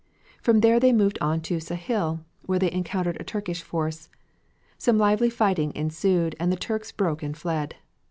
From there they moved on Sahil, where they encountered a Turkish force. Some lively fighting ensued and the Turks broke and fled.